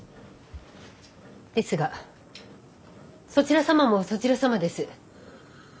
ですがそちら様もそちら様です。